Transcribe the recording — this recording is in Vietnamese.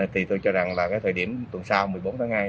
thì tôi cho rằng là cái thời điểm tuần sau một mươi bốn tháng hai